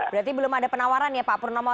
berarti belum ada penawaran ya pak purnomo